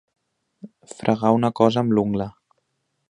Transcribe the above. Fregar una cosa amb l'ungla.